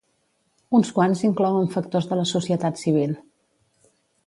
Uns quants inclouen factors de la societat civil.